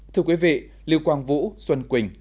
thưa quý vị lưu quảng vũ xuân quỳnh